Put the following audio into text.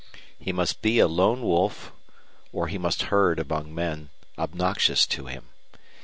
He must be a lone wolf or he must herd among men obnoxious to him.